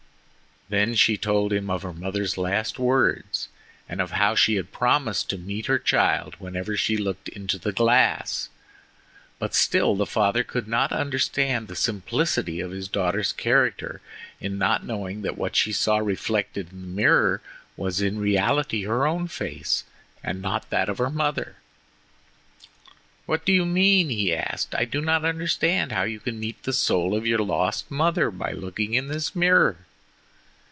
Then she told him of her mother's last words, and of how she had promised to meet her child whenever she looked into the glass. But still the father could not understand the simplicity of his daughter's character in not knowing that what she saw reflected in the mirror was in reality her own face, and not that of her mother. "What do you mean?" he asked. "I do not understand how you can meet the soul of your lost mother by looking in this mirror?"